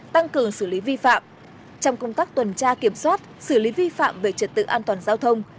tăng cường xử lý vi phạm trong công tác tuần tra kiểm soát xử lý vi phạm về trật tự an toàn giao thông